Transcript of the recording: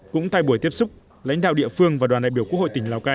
cũng tại buổi tiếp xúc lãnh đạo địa phương và đoàn đại biểu quốc hội tỉnh lào cai